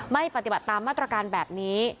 ไม่ปฏิบัติตามมาตรการแบบนี้